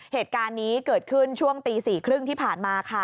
เหตุการณ์นี้เกิดขึ้นช่วงตี๔๓๐ที่ผ่านมาค่ะ